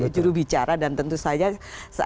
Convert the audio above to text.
jurubicara dan tentu saja